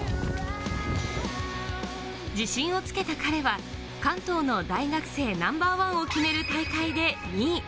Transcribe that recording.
自信をつけた彼は関東の大学生ナンバーワンを決める大会で２位。